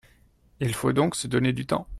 Il faut donc se donner du temps.